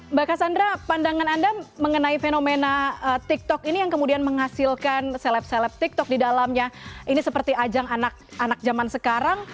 mbak cassandra pandangan anda mengenai fenomena tiktok ini yang kemudian menghasilkan seleb seleb tiktok di dalamnya ini seperti ajang anak zaman sekarang